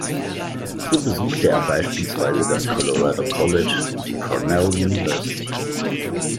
So besuchte er beispielsweise das "Colorado College" und die Cornell University.